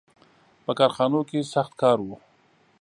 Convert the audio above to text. • په کارخانو کې سخت کار و.